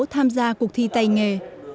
tham gia cuộc thi tay nghề